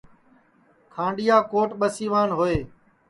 کھانڈؔیا کوٹ ٻسیوان ہوئے